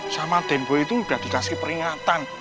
sama den boy itu udah dikasih peringatan